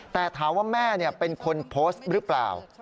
แต่ถามว่าแม่เป็นคนโพสต์หรือเปล่า